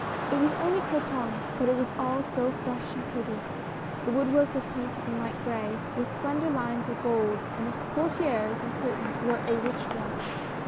It was only Cretonne, but it was all so fresh and pretty. The woodwork was painted in light gray, with slender lines of gold, and the portieres and curtains were a rich red.